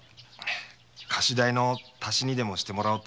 菓子代の足しにでもしてもらおうと思いましてね。